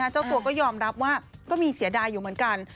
เจ้าตัวก็ยอมรับว่าก็มีเสียดายอยู่เหมือนกัน